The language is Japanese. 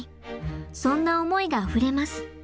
もうそんな思いがあふれます。